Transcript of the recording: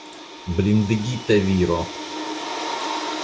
Blindigita viro!